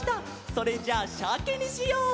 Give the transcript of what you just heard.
それじゃあシャケにしよう！